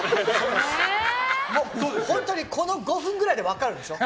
本当にこの５分くらいで分かるでしょ。